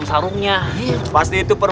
jubar lapar ayah